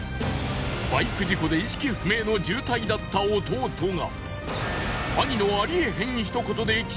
バイク事故で意識不明の重体だった弟が。